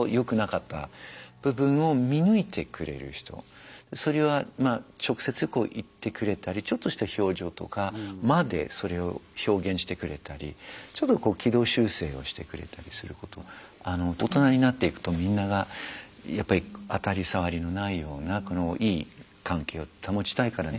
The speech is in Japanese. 僕はそれは直接言ってくれたりちょっとした表情とかまでそれを表現してくれたりちょっと軌道修正をしてくれたりすること大人になっていくとみんながやっぱり当たり障りのないようないい関係を保ちたいからね。